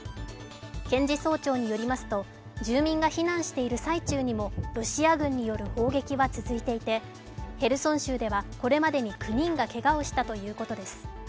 検事総長によりますと、住民が避難している最中にもロシア軍による砲撃は続いていてヘルソン州ではこれまでに９人がけがをしたということです。